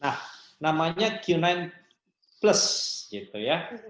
nah namanya q sembilan plus gitu ya